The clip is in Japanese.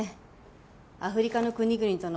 アフリカの国々とのフェア